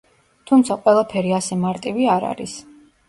თუმცა ყველაფერი ასე მარტივი არ არის.